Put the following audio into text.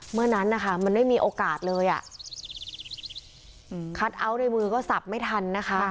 เมื่อนั้นนะคะมันไม่มีโอกาสเลยอ่ะคัทเอาท์ในมือก็สับไม่ทันนะคะ